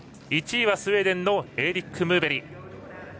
１位はスウェーデンのエーリック・ムーベリ。